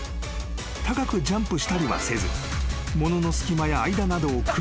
［高くジャンプしたりはせず］